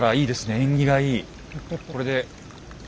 縁起がいい。